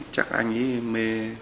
chắc anh ấy mê